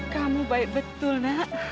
kamu baik betul nak